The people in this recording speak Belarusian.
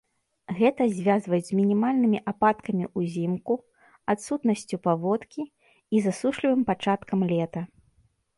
Гэта звязваюць з мінімальнымі ападкамі ўзімку, адсутнасцю паводкі і засушлівым пачаткам лета.